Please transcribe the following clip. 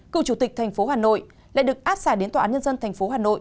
cựu chủ tịch thành phố hà nội lại được áp xả đến tòa án nhân dân thành phố hà nội